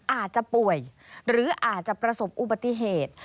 อาจจะป่วยหรืออาจจะประสบอุบัติเหตุ